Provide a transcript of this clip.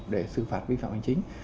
để xử phạt vi phạm hành chính